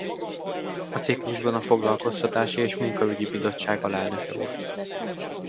A ciklusban a foglalkoztatási és munkaügyi bizottság alelnöke volt.